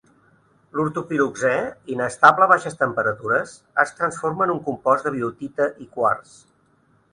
L'ortopiroxè, inestable a baixes temperatures, es transforma en un compost de biotita i quars.